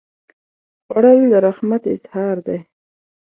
خوړل د رحمت اظهار دی